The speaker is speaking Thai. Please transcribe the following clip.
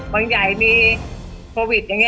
บางใยมีโปรวิทย์อย่างนี้